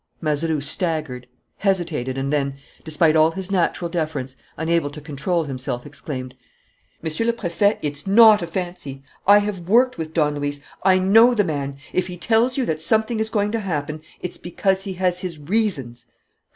Mazeroux staggered, hesitated, and then, despite all his natural deference, unable to contain himself, exclaimed: "Monsieur le Préfet, it's not a fancy. I have worked with Don Luis. I know the man. If he tells you that something is going to happen, it's because he has his reasons."